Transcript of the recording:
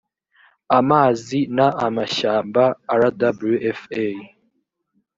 amazi n amashyamba rwfa